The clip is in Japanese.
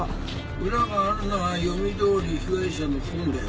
裏があるのは読みどおり被害者の方もだよ。